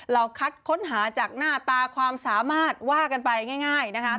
คัดค้นหาจากหน้าตาความสามารถว่ากันไปง่ายนะคะ